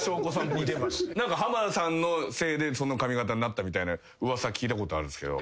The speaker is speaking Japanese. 浜田さんのせいでその髪形になったみたいな噂聞いたことあるんすけど。